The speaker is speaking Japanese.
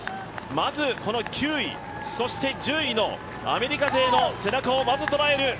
まず、この９位、そして１０位のアメリカ勢の背中をまず捉える。